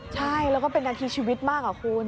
ใช่แล้วก็เป็นนาทีชีวิตมากอะคุณ